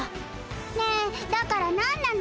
ねえだからなんなの？